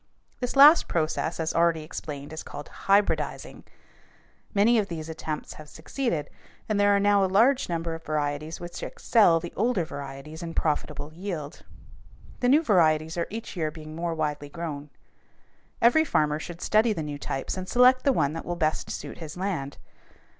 This last process, as already explained, is called hybridizing. Many of these attempts have succeeded, and there are now a large number of varieties which excel the older varieties in profitable yield. The new varieties are each year being more widely grown. Every farmer should study the new types and select the one that will best suit his land.